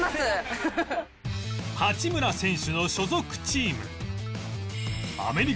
八村選手の所属チーム